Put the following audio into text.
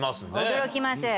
驚きます。